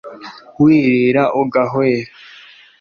wirira ugahwera,